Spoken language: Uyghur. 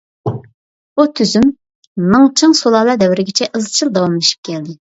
بۇ تۈزۈم مىڭ چىڭ سۇلالە دەۋرىگىچە ئىزچىل داۋاملىشىپ كەلدى.